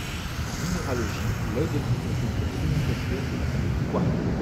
En minéralogie, l'œil de Tigre est une pierre semi-précieuse de la famille du quartz.